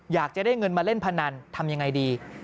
อยากจะได้เงินมาเล่นพนันทำยังไงดี